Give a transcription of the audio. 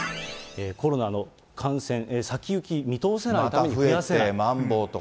コロナの感染、先行き見通せないために増やせない。